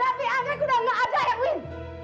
tapi anggrek udah gak ada erwin